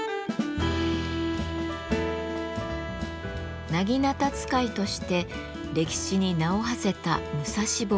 薙刀使いとして歴史に名をはせた武蔵坊弁慶。